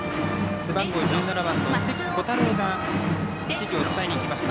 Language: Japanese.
背番号１７番の関虎大朗が指示を伝えに行きました。